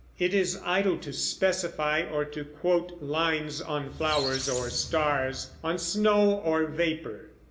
It is idle to specify or to quote lines on flowers or stars, on snow or vapor.